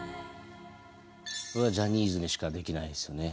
これはジャニーズにしかできないですよね